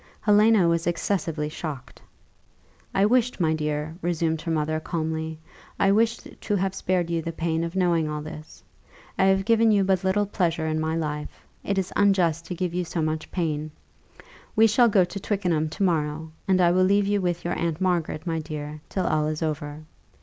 Helena was excessively shocked. "I wished, my dear," resumed her mother, calmly, "I wished to have spared you the pain of knowing all this. I have given you but little pleasure in my life; it is unjust to give you so much pain. We shall go to Twickenham to morrow, and I will leave you with your Aunt Margaret, my dear, till all is over.